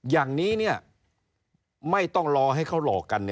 อย่างนี้ไม่ต้องรอให้เขาหลอกกัน